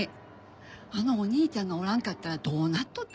あのお兄ちゃんがおらんかったらどうなっとったか。